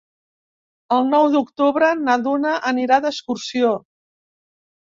El nou d'octubre na Duna anirà d'excursió.